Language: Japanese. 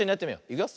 いくよ。